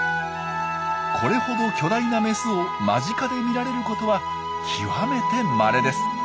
これほど巨大なメスを間近で見られることは極めてまれです。